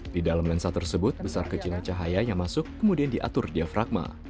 di dalam lensa tersebut besar kecilnya cahaya yang masuk kemudian diatur diafragma